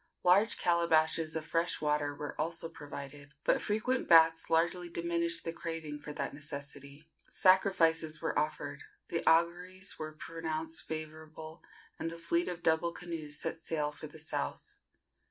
Large calabashes of fresh water were also provided, but frequent baths largely diminished the craving for that necessity. Sacrifices were offered, the auguries were pronounced favorable, and the fleet of double canoes set sail for the south.